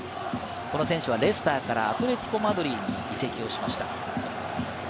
この選手はレスターからアトレティコ・マドリードに移籍をしました。